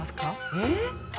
えっ？